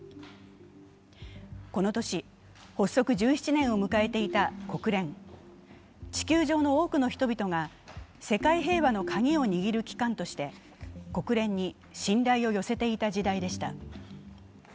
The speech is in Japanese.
この年、発足１７年を迎えていた国連地球上の多くの人々が世界平和の鍵を握る機関として国連に信頼を寄せていた時代でした。